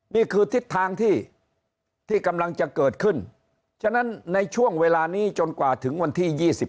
นี่คือทิศทางที่กำลังจะเกิดขึ้นฉะนั้นในช่วงเวลานี้จนกว่าถึงวันที่๒๓